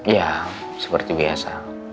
ya seperti biasa